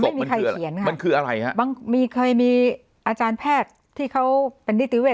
ไม่มีใครเขียนค่ะมันคืออะไรฮะบางมีเคยมีอาจารย์แพทย์ที่เขาเป็นนิติเวท